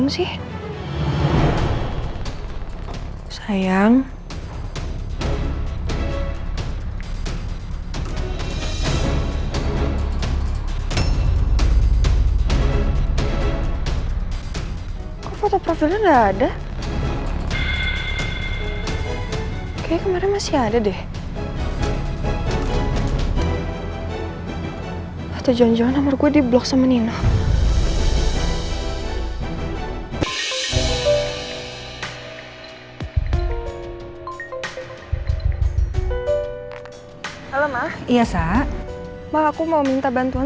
sampai jumpa di video selanjutnya